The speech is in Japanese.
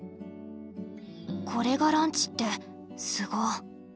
これがランチってすご。